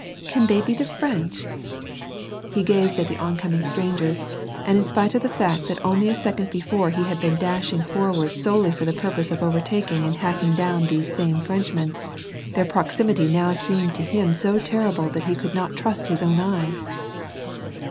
''Can they be the French ?" He gazed at the on coming strangers, and in spite of the fact that only a second before he had been clashing forward solely for the purpose of overtaking and hacking down these same Frenchmen, their proximity now seemed to him so terrible that he could not trust his own eyes